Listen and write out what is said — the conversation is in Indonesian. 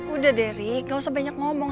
udah deh rick gak usah banyak ngomong